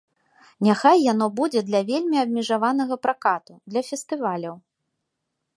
Няхай яно будзе для вельмі абмежаванага пракату, для фестываляў.